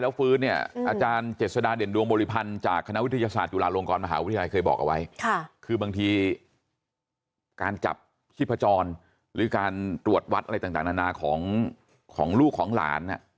หรือการตรวจวัดอะไรต่างนานาของลูกของหลาน